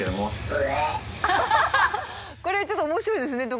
これちょっと面白いですね所